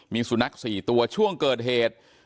มีสุนัข๔ตัวช่วงเกิดเหตุ